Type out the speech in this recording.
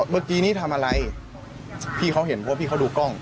เมื่อกี้นี้ทำอะไรพี่เขาเห็นเพราะว่าพี่เขาดูกล้อง